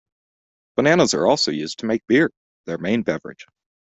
Bananas are also used to make beer, their main beverage.